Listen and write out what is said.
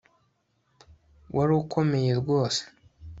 Wari ukomeye rwose